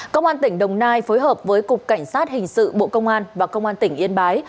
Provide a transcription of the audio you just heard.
công an tỉnh đồng nai phối hợp với cục cảnh sát hình sự bộ công an và công an tỉnh yên bái